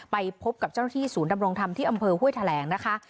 ไปพบกับเจ้าหน้าที่ศูนย์ดำรงธรรมที่อำเภอห้วยแถลงนะคะ